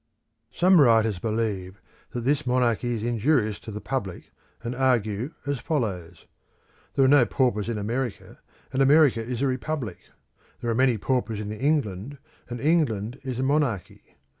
Some writers believe that this monarchy is injurious to the public and argue as follows: There are no paupers in America, and America is a republic. There are many paupers in England, and England is a monarchy.